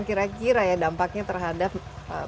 kira kira ya dampaknya terhadap apa